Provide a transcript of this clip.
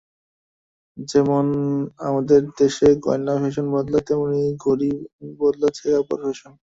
যেমন আমাদের দেশে গয়নার ফ্যাশন বদলায়, এদের তেমনি ঘড়ি ঘড়ি বদলাচ্ছে কাপড়ের ফ্যাশন।